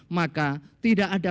maka tidak ada kekhawatiran